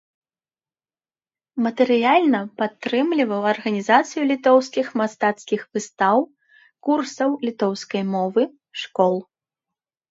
Матэрыяльна падтрымліваў арганізацыю літоўскіх мастацкіх выстаў, курсаў літоўскай мовы, школ.